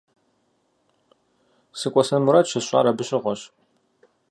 СыкӀуэсэн мурад щысщӀар абы щыгъуэщ.